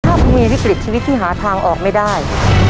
ถ้าคุณมีวิกฤตชีวิตที่หาทางออกไม่ได้